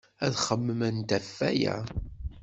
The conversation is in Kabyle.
Ad xemmement ɣef waya.